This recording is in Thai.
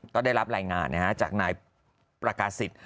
ก็ได้รับรายงานจากนายประกาศิษย์